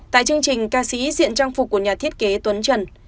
tại chương trình ca sĩ diện trang phục của nhà thiết kế tuấn trần